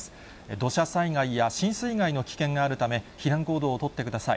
土砂災害や新水害の危険があるため、避難行動を取ってください。